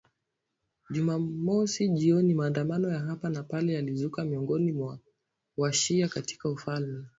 Jumamosi jioni maandamano ya hapa na pale yalizuka miongoni mwa wa-shia katika ufalme